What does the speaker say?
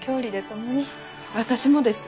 私もです。